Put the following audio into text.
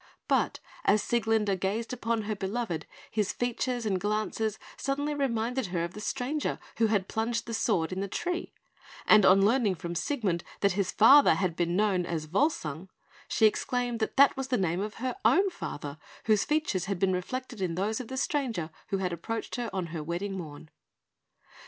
But as Sieglinde gazed upon her beloved, his features and glances suddenly reminded her of the stranger who had plunged the sword in the tree; and on learning from Siegmund that his father had been known as Volsung, she exclaimed that that was the name of her own father, whose features had been reflected in those of the stranger who had appeared on her wedding morn.